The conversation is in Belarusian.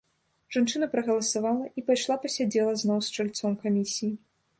Жанчына прагаласавала і пайшла пасядзела зноў з чальцом камісіі.